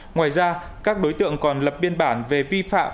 ngoài ra các đối tượng còn lập biên bản về vi phạm